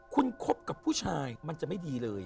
คุณคบกับผู้ชายมันจะไม่ดีเลย